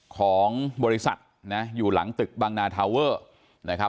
ของบริษัทนะอยู่หลังตึกบางนาทาเวอร์นะครับ